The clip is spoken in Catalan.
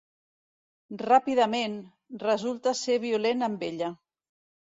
Ràpidament, resulta ser violent amb ella.